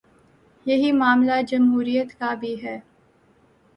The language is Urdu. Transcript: یہی معاملہ جمہوریت کا بھی ہے۔